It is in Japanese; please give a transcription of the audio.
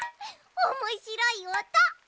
おもしろいおと。